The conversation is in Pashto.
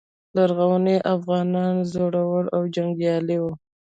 لرغوني افغانان زړور او جنګیالي وو